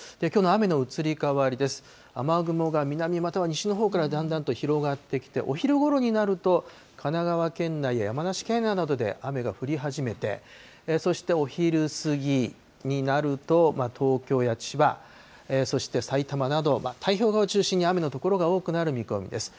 雨雲が南、または西のほうからだんだんと広がってきて、お昼ごろになると、神奈川県内や山梨県内などで雨が降り始めて、そしてお昼過ぎになると、東京や千葉、そして埼玉など太平洋側を中心に雨の所が多くなる見込みです。